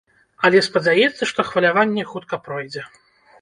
Але спадзяецца, што хваляванне хутка пройдзе.